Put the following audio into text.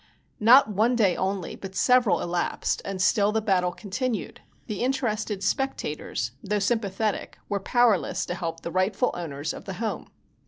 Not one day only, but several elapsed, and still the battle continued, the interested spectators though sympathetic were powerless to help the rightful owners of the home.